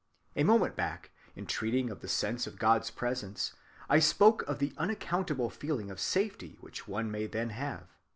A moment back, in treating of the sense of God's presence, I spoke of the unaccountable feeling of safety which one may then have.